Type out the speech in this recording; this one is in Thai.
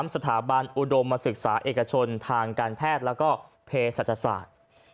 สถาบันอุดมศึกษาเอกชนทางการแพทย์แล้วก็เพศศาสตร์